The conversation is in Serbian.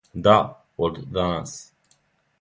Да, од данас.